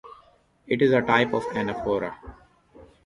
It is a type of anaphora.